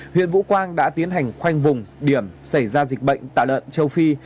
huyện vũ quang đã tiến hành khoanh vùng điểm xảy ra dịch bệnh tả lợn châu phi